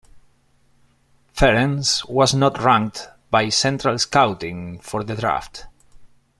Ference was not ranked by Central Scouting for the draft.